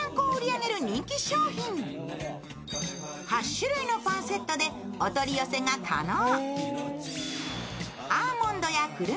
８種類のパンセットでお取り寄せが可能。